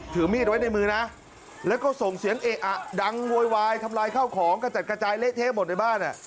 ถือมีดไว้ในมือนะแล้วก็ส่งเสียงเอะอะดังโวยวายทำลายข้าวของกระจัดกระจายเละเทะหมดในบ้าน